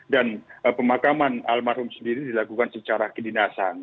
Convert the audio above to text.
dan pemakaman almarhum sendiri dilakukan secara kedinasan